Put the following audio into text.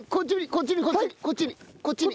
こっちにこっちにこっちに。